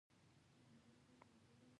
یوازې د ده خبره دې ومنل شي.